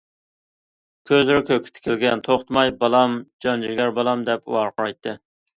كۆزلىرى كۆككە تىكىلگەن، توختىماي« بالام، جانجىگەر بالام!» دەپ ۋارقىرايتتى.